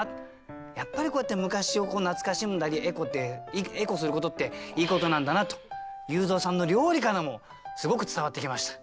やっぱりこうやって昔を懐かしんだりエコすることっていいことなんだなと裕三さんの料理からもすごく伝わってきました。